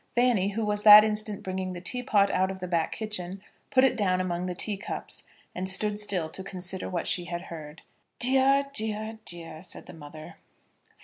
Fanny, who was that instant bringing the tea pot out of the back kitchen, put it down among the tea cups, and stood still to consider what she had heard. "Dear, dear, dear!" said the mother.